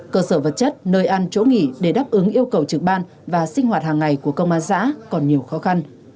cơ sở vật chất nơi ăn chỗ nghỉ để đáp ứng yêu cầu trực ban và sinh hoạt hàng ngày của công an xã còn nhiều khó khăn